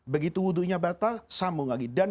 begitu hudunya batal sambung lagi dan